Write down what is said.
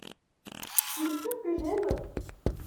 Tu es sûr que j’aime.